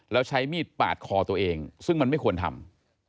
แล้วใช้มีดปาดคอตัวเองซึ่งมันไม่ควรทำ